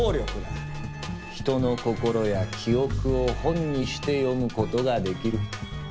人の心や記憶を「本」にして読むことができる。